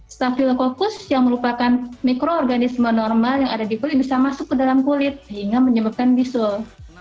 staffylococcus yang merupakan mikroorganisme normal yang ada di kulit bisa masuk ke dalam kulit sehingga menyebabkan bisul